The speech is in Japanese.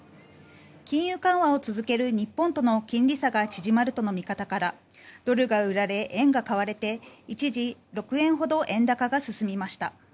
金融緩和を続ける日本との金利差が縮まるとの見方からドルが売られ円が買われて一時６円ほど円高が進みました。